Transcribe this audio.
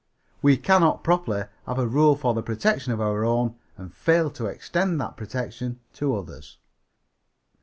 We cannot properly have a rule for the protection of our own and fail to extend that protection to others."